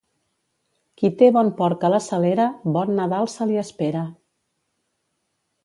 Qui té bon porc a la salera, bon Nadal se li espera.